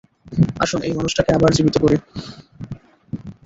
আসুন এই মানুষটাকে আবার জীবিত করি।